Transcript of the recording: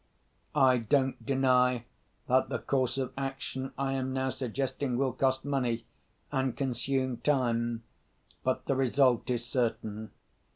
I don't deny that the course of action I am now suggesting will cost money, and consume time. But the result is certain.